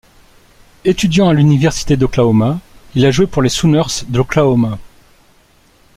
Étudiant à l'Université d'Oklahoma, il a joué pour les Sooners de l'Oklahoma.